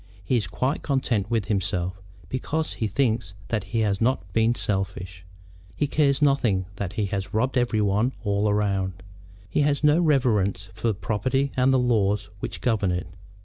He is quite content with himself, because he thinks that he has not been selfish. He cares nothing that he has robbed every one all round. He has no reverence for property and the laws which govern it.